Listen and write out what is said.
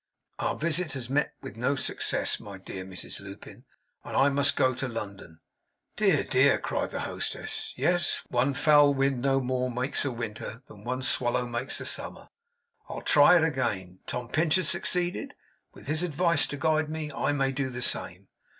'Our visit has met with no success, my dear Mrs Lupin, and I must go to London.' 'Dear, dear!' cried the hostess. 'Yes, one foul wind no more makes a winter, than one swallow makes a summer. I'll try it again. Tom Pinch has succeeded. With his advice to guide me, I may do the same.